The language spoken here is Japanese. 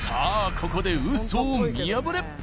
ここでウソを見破れ